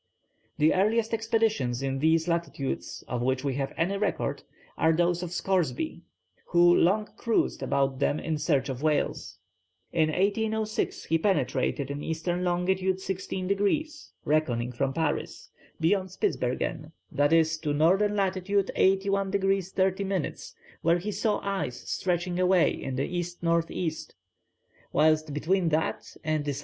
The earliest expeditions in these latitudes of which we have any record are those of Scoresby, who long cruised about them in search of whales. In 1806 he penetrated in E. long. 16 degrees (reckoning from Paris), beyond Spitzbergen, i.e. to N. lat. 81 degrees 30 minutes, where he saw ice stretching away in the E.N.E., whilst between that and the S.E.